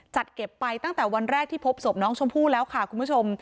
จัดเก็บไปตั้งแต่วันแรกที่พบศพน้องชมพู่แล้วค่ะคุณผู้ชม